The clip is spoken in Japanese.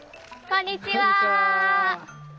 こんにちは。